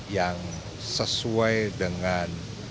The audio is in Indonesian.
yang sesuai dengan